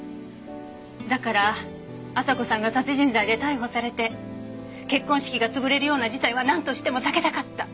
だから朝子さんが殺人罪で逮捕されて結婚式が潰れるような事態はなんとしても避けたかった。